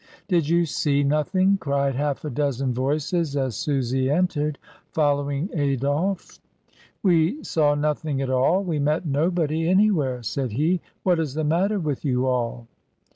"Did you see nothing?" cried half a dozen voices as Susy entered, following Adolphe. AT THE TERMINUS. 259 "We saw nothing at all; we met nobody any where," said he. "What is the matter with you all?"